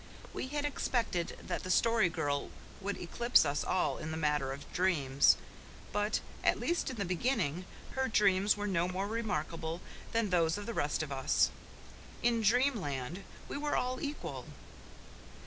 We had expected that the Story Girl would eclipse us all in the matter of dreams; but, at least in the beginning, her dreams were no more remarkable than those of the rest of us. In dreamland we were all equal.